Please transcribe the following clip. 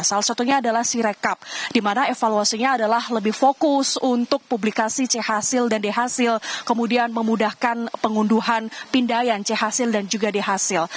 salah satunya adalah si recap di mana evaluasinya lebih fokus untuk publikasi cehasil dan dehasil kemudian memudahkan pengunduhan pindahan cehasil dan dehasil